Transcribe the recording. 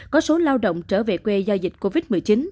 có số lao động trở về quê do dịch covid một mươi chín